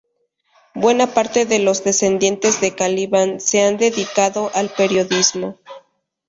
Buena parte de los descendientes de "Calibán" se han dedicado al periodismo.